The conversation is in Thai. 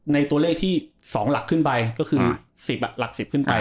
ในตัวเลขที่๒หลักขึ้นไปก็คือ๑๐หลัก๑๐ขึ้นไป